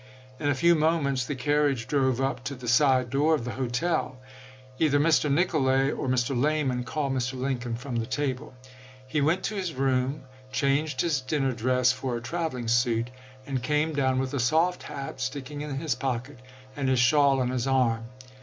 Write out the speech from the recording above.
In a few moments the carriage drove up to the side door of the hotel. Either Mr. Nicolay or Mr. Lamon called Mr. LINCOLN'S SECRET NIGHT JOURNEY 315 Lincoln from the table. He went to his room, changed cuap. xx. his dinner dress for a traveling suit, and came down with a soft hat sticking in his pocket, and his shawl on his arm.